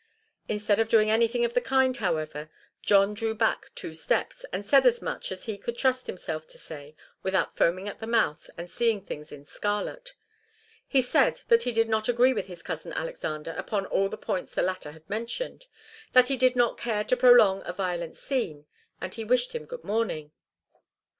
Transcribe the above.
Instead of doing anything of the kind, however, John drew back two steps, and said as much as he could trust himself to say without foaming at the mouth and seeing things in scarlet. He said that he did not agree with his cousin Alexander upon all the points the latter had mentioned, that he did not care to prolong a violent scene, and he wished him good morning.